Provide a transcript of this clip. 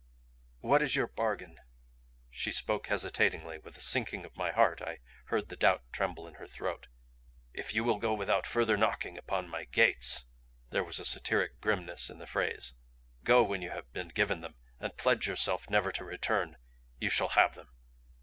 "What is your bargain?" she spoke hesitatingly; with a sinking of my heart I heard the doubt tremble in her throat. "If you will go without further knocking upon my gates" there was a satiric grimness in the phrase "go when you have been given them, and pledge yourself never to return you shall have them.